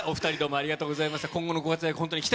ありがとうございます。